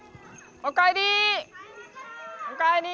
おかえり！